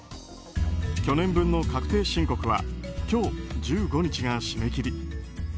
去年分の確定申告は今日１５日が締め切り。